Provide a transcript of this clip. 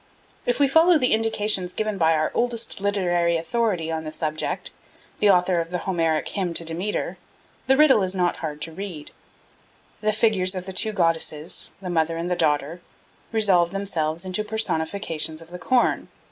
If we follow the indications given by our oldest literary authority on the subject, the author of the Homeric hymn to Demeter, the riddle is not hard to read; the figures of the two goddesses, the mother and the daughter, resolve themselves into personifications of the corn.